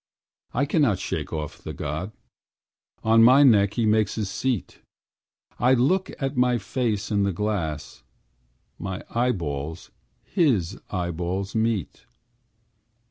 I cannot shake off the god; On my neck he makes his seat; I look at my face in the glass, My eyes his eyeballs meet.